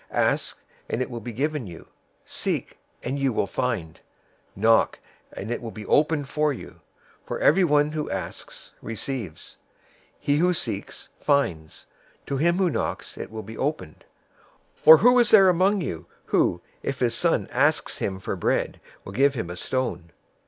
007:007 "Ask, and it will be given you. Seek, and you will find. Knock, and it will be opened for you. 007:008 For everyone who asks receives. He who seeks finds. To him who knocks it will be opened. 007:009 Or who is there among you, who, if his son asks him for bread, will give him a stone?